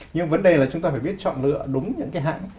nhưng vấn đề là chúng ta phải biết chọn lựa đúng những cái hãng